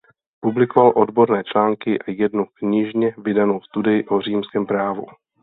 Publikoval odborné články a jednu knižně vydanou studii o římském právu.